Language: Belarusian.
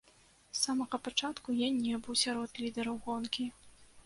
З самага пачатку ён не быў сярод лідараў гонкі.